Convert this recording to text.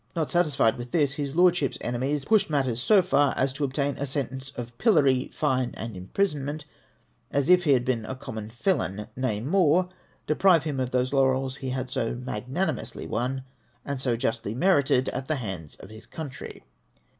Not satisfied with this, his Lordship's enemies pushed matters so t;ir as to obtain a sentence of pillory, fine, and^imprisonment, as if he had been a common felon ; nay, more, — deprive him of those laurels he had so magnanimously won, and so justly merited at the hand of his country.